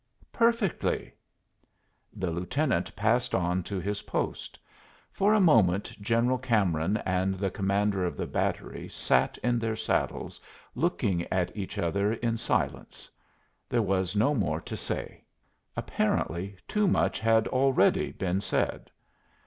"Perfectly." The lieutenant passed on to his post. For a moment General Cameron and the commander of the battery sat in their saddles, looking at each other in silence. There was no more to say; apparently too much had already been said.